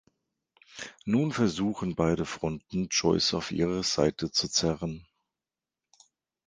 Nun versuchen beide Fronten, Joyce auf ihre Seite zu zerren.